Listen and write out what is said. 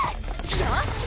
よし！